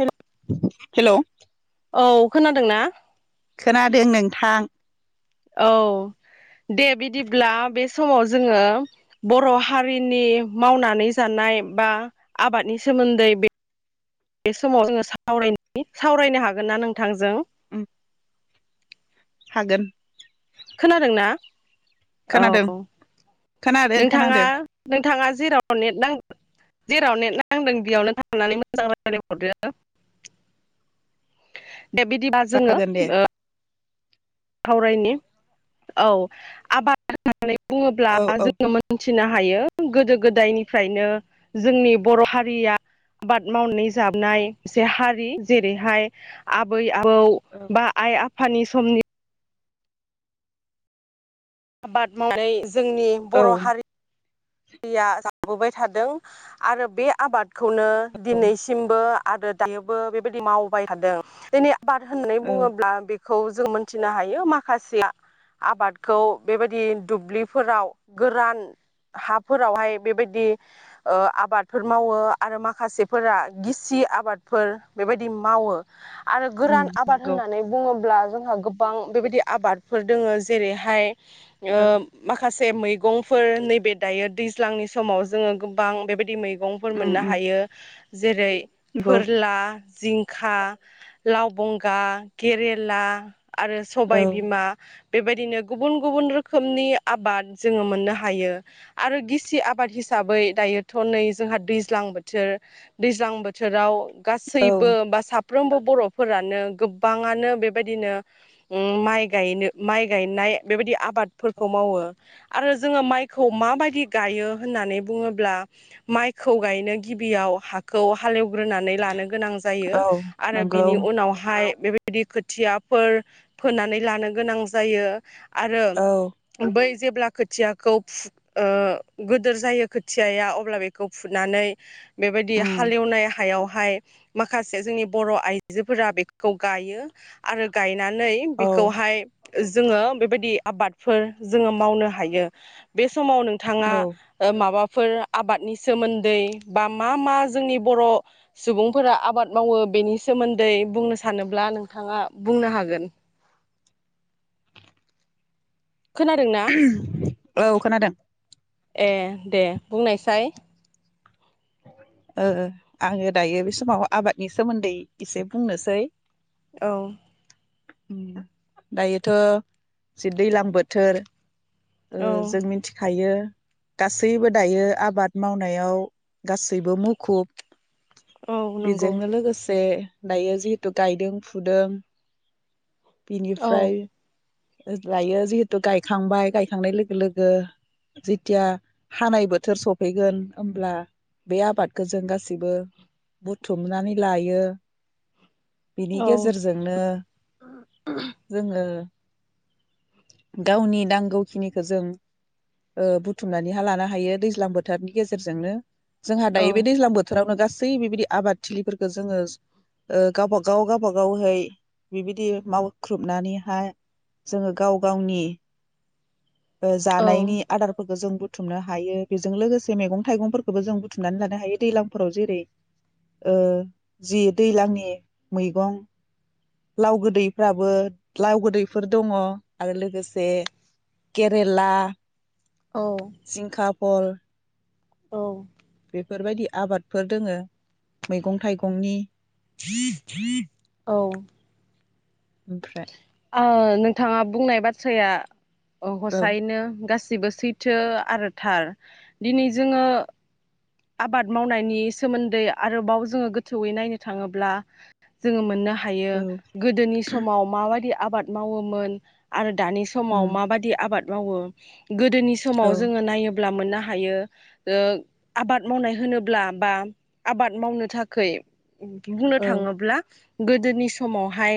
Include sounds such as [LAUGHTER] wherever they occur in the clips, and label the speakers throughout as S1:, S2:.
S1: हेल
S2: हेल'
S1: औ खोनादों ना
S2: खोनादो नोंथां
S1: औ दे बिदिब्ला बे समाव जोङो बर हारिनि मावनानै जानाय बा आबादनि सोमोन्दै बे समाव जोङो सावरायनि सावरायनो हागोन ना नोंथांजों
S2: ओम हागोन
S1: खोनादों ना
S2: खोनादों
S1: औ
S2: खोनादों
S1: नोंथाङा
S2: खोनादों
S1: नोंथाङा जेराव नेट नांदो- जेराव नेट नांदों बेयावनो थांनानै मोजां रायजलायहरदो बे बिदिबा जोङो
S2: जागोन दे
S1: ओ सावरायनि औ आबाद- होननानै बुङोब्ला
S2: औ औ
S1: जोङो मोनसे नो हायो गोदो गोदायनिफ्रायनो जोंनि बर हारिया आबाद मावनानै जानाय मोनसे हारि जेरैहाय आबै- आबौ बा आइ आफा आफानि समनि आबाद मावनायनै जोंनि
S2: औ
S1: बर हारि- या जाबोबबाय थादों आरो बे आबादखौ- खौनो दिनैसिमबो आरो दायोबो बेबायदि मावबाय थादों दिनै आबाद होननानै
S2: औ
S1: बुङोब्ला बे खौ जों मोनथिनो हायो माखासे आबादखौ बेबायदि दुब्लिफोराव गोरान हाफोरावहाय बेबायदि ओ आबादफोर मावो आरो माखासेफोरा गिसि आबादफोर बेबायदि मावो। आरो
S2: उम
S1: गोरान आबाद
S2: नंगौ
S1: होननानै बुङोब्ला जोंहा गोबां बेबायदि आबादफोर दोङो जेरैहाय ओ
S2: औ
S1: माखासे मैगंफोर नैबे दायो दैज्लांनि समाव जोङो गोबां बेबायदि मै गंफोर
S2: उम
S1: मोननो
S2: उम
S1: हायो। जेरै
S2: नंगौ
S1: फोरला जिंखा, लाव बंगा, केरेला आरो
S2: औ
S1: सबाय बिमा। बेबायदिनो गुबुन गुबुन रोखोमनि आबाद जोङो मोननो हायो। आरो गिसि आबाद हिसाबै दायोथ' नै जोंहा दैज्लां बोथोर दैज्लां बोथोराव
S2: औ
S1: गासैबो बासाफ फ्रोमबो बर'फोरानो गोबाङानो बेबायदिनो माइ गायनो, माइ गायनाय बेबायदि आबादफोरखौ मावो। आरो जोङो माइखौ माबाय दि गायो होननानै बुङोब्ला माइखौ गायनो गिबियाव हाखौ हालेव ग्रोनानै लानो गोनां जायो
S2: औ
S1: आरो
S2: नंगौ
S1: बिनि उनावहाय बेबायदि खोथियाफोर फोनानै लानो गोनां जायो। आरो
S2: औ
S1: बै जेब्ला खोथियाखौ फु ओ गोदोर जायो खोथियाया अब्ला बेखौ फुनानै बेबायदि
S2: उम
S1: हालेवनाय हायाव हाय माखासे जोंनि बर' आइजोफोरा बेखौ गायो आरो गाय नानै
S2: औ
S1: बेखौहाय जोङो बेबायदि आबादफोर जोङो मावनो हायो बे समाव नोंथाङा
S2: औ
S1: ओ माबा फोर आबादनि सोमोन्दै बा मा मा जोंनि बर' सुबुंफोरा आबाद मावो बेनि सोमोन्दै बुंनो सानोब्ला नोंथाङा बुंनो हागोन। खोनादोंना
S2: औ खोनादों।
S1: ए दे बुंनायसाय।
S2: ओ आङो दायो बे समाव आबादनि सोमोन्दै एसे बुंनोसै
S1: औ
S2: उम दायोथ' जे दैलां बोथोर ओ
S1: औ
S2: जों मिथिखायो गासैबो दायो आबाद मावनायाव गासैबो मुखुब
S1: औ
S2: ।
S1: नंगौ
S2: बेजोंनो लोगोसे दायो जिहेतु गायदों फुदों ।
S1: औ
S2: बेनिफ्राय दायो जिहेथु गायखांबाय गायखांनाय लोगो लोगो जेथिया हानाय बोथोर सफैगोन होमब्ला बे आबादखौ जों गासिबो बुथुमनानै लायो । बेनि
S1: औ
S2: गेजेरजोंनो जोंङो गावनि नांगौखिनिखौ जों बुथुमनानैहा लानो हायो दैज्लां बोथोरनि गेजेरजोंनो । जोंहा दा
S1: औ
S2: बे दैज्लां बोथोरावनो गासै गासै बिबायदि आबादथिलिफोरखौ जोंङो गावबा गाव गावबा गावै बिबायदि मावख्रुबनानैहाय जोंङो गाव गावनि ओ जानायनि आदारफोरखौ जों बु थुमनो हायो बेजों लोगोसे मैगं थाइगंफोरखौबो जों बुथुमनानै लानो हायो दैलांफोराव जेरै ओ जि दैलांनि मैगं लाव गोदैफ्राबो लाव गोदैफोर दङ आरो लोगोसे केरेला
S1: औ
S2: भल
S1: औ
S2: बेफोरबायदि आबादफोर दोङो मैगं थाइगंनि
S1: औ
S2: ओमफ्राय
S1: ओ नोंथांङा बुंनाय बाथ्राया अ
S2: औ
S1: हसायैनो गासै बो सैथो आरो थार दिनै जोंङो आबाद मावनायनि सोमोन्दै आरोबाव जोंङो गोथौयै नायनो थाङोब्ला जोंङो मोननो हा हायो
S2: औ
S1: गोदोनि समाव माबायदि आबाद मावोमोन आरो दानि समाव
S2: उम
S1: माबायदि आबाद मावो गोदोनि समाव
S2: औ
S1: जोंङो नायो ब्ला मोननो हायो ओ आबाद मावनाय होनोब्ला बा आबाद मावनो थाखै बुंनो
S2: औ
S1: थाङोब्ला गोदोनि समावहाय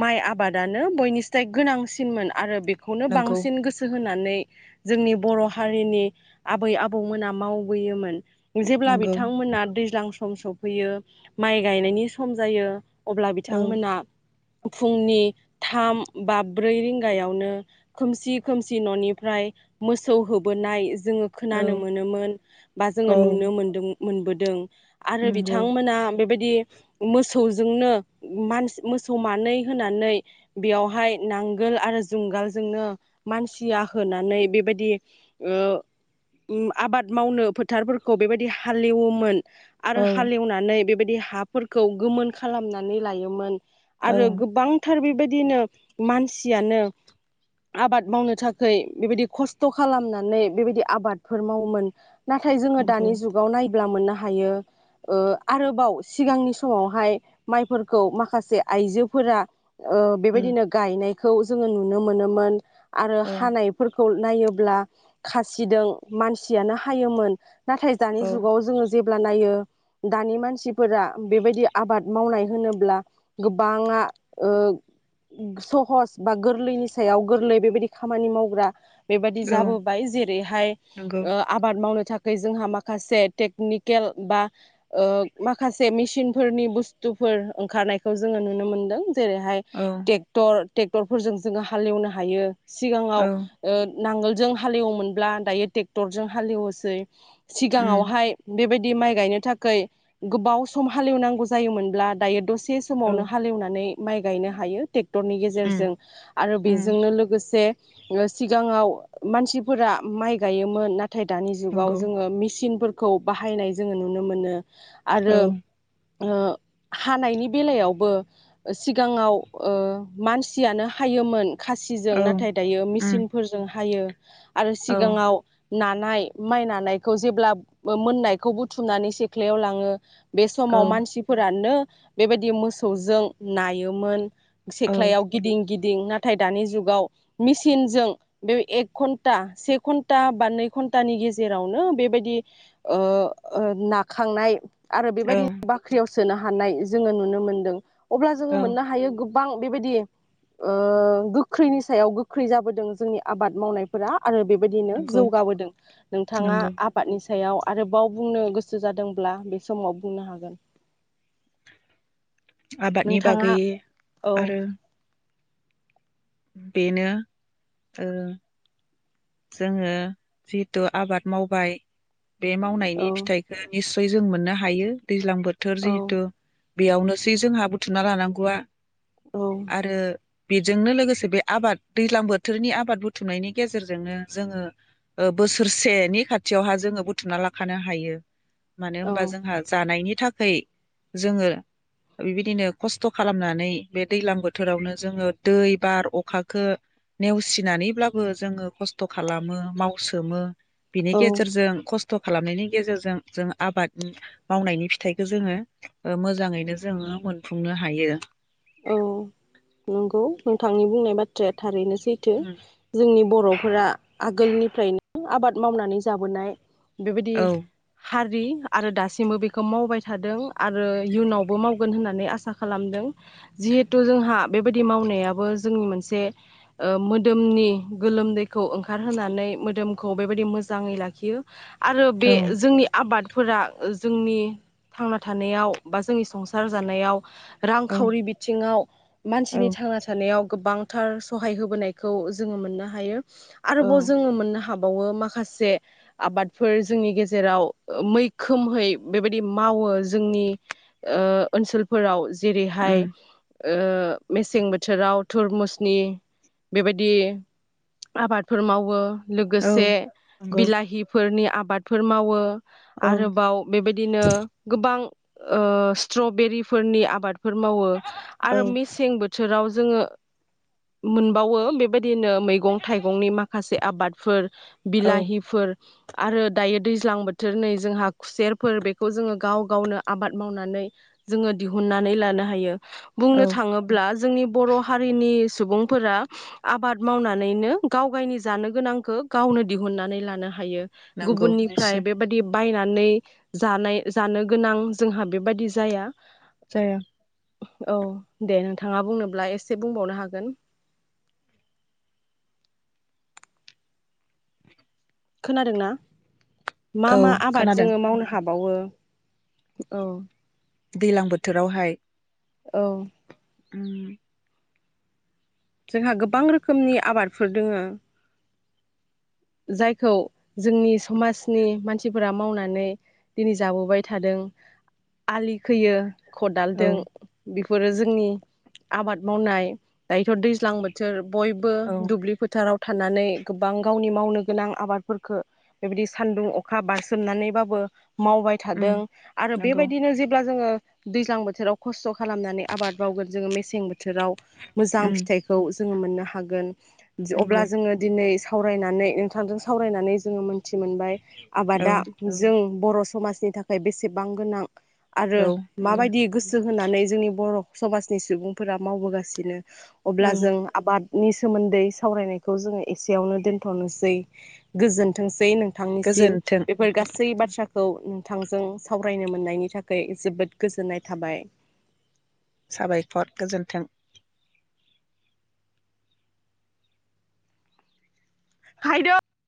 S1: माइ आबाद आनो बयनिसाय गोनांसिनमोन आरो बे खौनो
S2: नंगौ
S1: बांसिन गोसो होनानै नै जोंनि बर' हारिनि आबै आबौमोना मावबोयोमोन । जेब्ला
S2: नंगौ
S1: बिथांमोना दैज्लां सम सफैयो माइ गायनायनि सम जायो । अब्ला
S2: औ
S1: बिथांमोना फुंनि थाम बा ब्रै रिंगायावनो खोमसि खोमसि न'निफ्राय मोसौ होबोनाय जोङो
S2: औ
S1: खोनानो मोनोमोन बा जोङो
S2: औ
S1: नुनो मोनदों मोनबोदों आरो
S2: नंगौ
S1: बिथांमोना बेबायदि मोसौ मोसौजोंनो मानस मोसौ मानै होनानै बेयावहाय नांगोल आरो जुंगालजोंनो मानसिया होनानै बेबायदि ओ आबाद मावनो फोथारफोरखौ बेबायदि हालेवोमोन। आरो
S2: औ
S1: हालेवनानै बेबायदि बे हाफोरखौ गोमोन खालामनानै लायोमोन।
S2: औ
S1: आरो गोबांथ फोर बेबायदि बिदिनो मानसियानो आबाद मावनो थाखाय बेबायदि खस्थ' खालामनानै बेबायदि आबादफोर मावोमोन नाथाय जोङो
S2: नंगौ
S1: दानि जुगाव नाय ब्ला मोननो हायो ओ आरोबाव सिगांनि समावहाय माइफोरखौ माखासे आइजोफोरा ओ
S2: उम
S1: बेबायदिनो गायनाय खौ जोङो नुनो मोनोमोन आरो
S2: औ
S1: हानायफोरखौ नायोब्ला खासिदों मानसियानो हायोमोन। नाथाय दानि
S2: औ
S1: जुगाव जोङो जेब ब्ला नायो दानि मानसिफोरा बेबायदि आबाद मावनाय होनोब्ला गोबाङा ओ उम सहस बा गोरलैनि सायाव गोरलै बेबायदि खामानि मावग्रा। बेबायाददि
S2: औ
S1: जाबोबाय जेरैहाय
S2: नंगौ
S1: ओ आबाद मावनो थाखै जोंहा माखासे टेकनिकेल बा ओ माखासे मेसिनफोरनि बुस्थुफोर ओंखारनायखौ जोङो नुनो मोनदों। जेरैहाय
S2: औ
S1: टर टेक्टर फोरजों जोंङो हालेवनो हायो।
S2: औ
S1: सिगाङाव ओ नांगोलजों हालेवोमोनब्ला दायो ट्रेक्टरजों हालेवोसै।
S2: उम
S1: सिगाङावहाय बेबायद दि माइ गायनो थाखोय गोबाव सम हालेवनांगौ जायोमोनब्ला दायो दस से
S2: औ
S1: समावनो हालेवनानै। माइ गायनो हायो। टरनि
S2: उम
S1: गेजेरजों आरो
S2: उम
S1: बेजोंनो लोगोसे ङो सिगाङाव। मानसिफोरा माइ गायोमोन नाथ थाय दानि जुगाव
S2: नंगौ
S1: जोङो मेसिनफोरख खौ बाहायनाय जोङो नुनो मोनो। आरो।
S2: औ
S1: ओ हानायनि बेलायावबो सिगाङाव। ओ मानसियानो हायोमोन। खासिजों
S2: औ
S1: नाथाय दायो
S2: उम
S1: मिसिनफोरजों हायो। आरो
S2: औ
S1: सिगाङाव। नानाय माइ नानायखौ जेब्ला बो मोननायखौ बुथुमनानै सेख्लायाव लाङो। बे
S2: औ
S1: समाव मानसिफोरानो। बेबायदि मोसौजों नायोमोन।
S2: औ
S1: सेख्लायाव गिदिं गिदिं ना थाय दानि जुगाव मेसिनजों बे एक घन्टा, से घन्टा बा नै घन्टानि गेजेरावनो बेबायदि ओ, ओ नाखांनाय आरो
S2: औ
S1: बेबायदिनो बाख्रियाव सोनो हानाय । जोङो नुनो मोनदों। अब्ला जोङो
S2: औ
S1: मोननो हायो गु बां बेबायदि ओ गोख्रैनि सायाव गोख्रै जाबोदों जोंनि आबाद मावनायफोरा। आरो बेबायदिनो
S2: नंगौ
S1: जौगाबोदों नोंथाङा
S2: नंगौ
S1: आबादनि सा सायाव आरोबाव बुंनो गोसो जादोंब्ला बे समाव बुंनो हागोन।
S2: आबादनि
S1: नोंथाङा
S2: बागै।
S1: औ
S2: आरो। बेनो ओ जोङो जिहेतु आबाद मावबाय। बे
S1: औ
S2: मावनायनि फिथाइखो निस बिजों मोननो हायो। दैज्लां बोथोर
S1: औ
S2: जिहेथु। बेयावनोसै जोंहा बुथुमना लानांगौआ।
S1: औ
S2: आरो। बेजोंनो लोगोसे बे आबाद दैज्लां बोथोरनि आबाद बुथुमनायनि गेजेर जोंनो जोङो ओ बोसोरसेनि खाथियावहा जोङो बुथुमना लाखानो हायो। मानो होनबा जोंहा जानायनि। थाखै जोङो बेबादिनो खस्थ' खालामनानै बे दैलां बोथोरावनो जोङो दै बार अखाखो नेवसिनानैब्लाबो जोङो खस्थ' खालामो मावसोमो। बिनि
S1: औ
S2: गेजेरजों खस्थ' थ' खालामनायनि गेजेरजों जों आबाद मावनायनि फिथाइखौ जोङो ओ मोजाङैनो जोङो मोनफुंनो हायो।
S1: औ नंगौ नोंथांनि बुंनाय बाथ्राया थारैनो सैथो
S2: उम
S1: जोंनि बर'फोरा आगोलनिफ्रायनो ओम आबाद मावनानै जाबोनाय बेबायदि
S2: औ
S1: हारि आरो दासिमबो बेखौ मावबाय थादों आरो इयुनावबो मावगोन होननानै आसा खालामदों जिहेथु जोंहा बेबायदि मावनायाबो जोंनि मोनसे ओ मोदोमनि गोलोमदैखौ ओंखारहोनानै मोदोमखौ बेबायदि मोजाङै लाखियो आरो बे
S2: औ
S1: जोंनि आबाद फोरा जोंनि थांना थानायाव बा जोंनि संसार जानायाव
S2: औ
S1: खावरि बिथिङाव
S2: औ
S1: मानसिनि थांना थानायाव गोबांथार सहाय होबोनायखौ जोङो मोननो हायो
S2: औ
S1: आरोबाव जोङो मोनो हा हाबावो माखासे आबादफोर जोंनि गेजेराव मैखोमहै बेबायदि मावो जोंनि ओ ओनसोलफोराव जि हाय
S2: उम
S1: ओ मेसें बोथोराव थुरमुसनि बेबायदि आबादफोर मावो
S2: औ
S1: लोगोसे
S2: नंगौ
S1: बिलाहिफोरनि आबादफोर मावो
S2: औ
S1: आरोबाव बेबायदिनो गोबां ओ स्ट्रबेरिफोरनि आबाद फोर मावो
S2: औ
S1: आरो मसें बोथ थोराव जोङो मोनबावो बेबायदिनो मैगं थाइगंनि माखासे आबादफोर
S2: औ
S1: बिलाहिफोर आरो दायो दैज्लां बोथोर नै जोंहा खुसेरफोर बेखौ जोङो गाव गावनो आबाद मावनानै जोङो दिहुननानै ला ना हायो
S2: औ
S1: बुंनो थाङोब्ला जोंनि बर हारिनि सुबुंफोरा आबाद मावनानैनो गाव गायनि जानो गोनांखो गावनो दिहुननानै लानो हायो
S2: नंगौ
S1: गुबुननिफ्राय
S2: निस्सय
S1: बेबादि बायनानै जानाय जानो गोनां जोंहा बेबादि जाया
S2: जाया
S1: औ दे नोंथाङा बुंनोब्ला एसे बुंबावनो हागोन खोनादोंना मा
S2: औ
S1: मा आबाद
S2: खोनादों
S1: जोङो मावनो हाब मावो औ
S2: दैलां बोथोरावहाय
S1: औ
S2: उम
S1: जोंहा गोबां रोखोमनि आबादफोर दोङो जायखौ जोंनि समाजनि मानसिफोरा मावनानै दिनै जाबोबाय थादों आलि खोयो
S2: औ
S1: खदालदों बिख बे फोरो जोंनि आबाद मावनाय दायोथ' दैज्लां बोथोर। बयबो
S2: औ
S1: दुब्लि फोथाराव। थानानै गोबां गावनि। मावनो गोनां आबादफोरखो बेबायदि सानदुं अखा बारसोमनानैबाबो। मावबाय
S2: उम
S1: थादों आरो
S2: नंगौ
S1: बेबायदिनो जेब्ला जोङो। दैज्लां बोथोराव खस्थ' खालामनानै आबाद मावगोन जोङो मेसें बोथ। थोराव मोजां
S2: उम
S1: फिथाइखौ जोङो मोननो। हागोन। अब्ला
S2: नंगौ
S1: जोङो दिनै फरायनानै नोंथांजों सावरायनानै जोङो मोन थि मोनबाय
S2: औ
S1: आबादा जों बर' समाजनि थाखाय बेसेबां गोनां। आरो
S2: औ नंगौ
S1: माबायदि गोसो होनानै जोंनि बर' समाजनि सुबुंफोरा मावबोगासिनो । अब्ला
S2: औ
S1: जों आबाद नि सोमोन्दै सावरायनायखौ जोङो एसेयावनो दोन्थ'नोस सै गोजोनथोंसै नों नोंथांनिसिम
S2: गोजोन्थों
S1: बेफोर गासै बाथ्राखौ नोंथांजों सावरायनो मोननायनि थाखाय जोबोद गोजोननाय थाबाय।
S2: साबायखर गोजोन्थों।
S1: [UNINTELLIGIBLE]